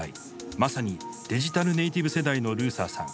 まさにデジタルネイティブ世代のルーサーさん。